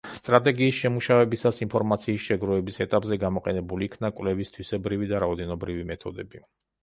სტრატეგიის შემუშავებისას, ინფორმაციის შეგროვების ეტაპზე, გამოყენებულ იქნა კვლევის თვისებრივი და რაოდენობრივი მეთოდები.